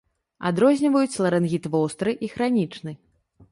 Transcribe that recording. Адрозніваюць ларынгіт востры і хранічны.